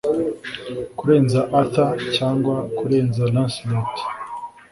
Kurenza Arthur cyangwa kurenza Lancelot